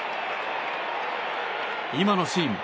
今のシーン